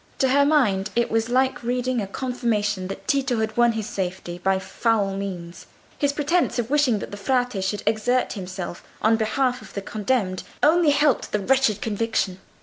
To her mind it was like reading a confirmation that Tito had won his safety by foul means; his pretence of wishing that the Frate should exert himself on behalf of the condemned only helped the wretched conviction.